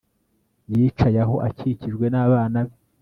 Yicaye aho akikijwe nabana be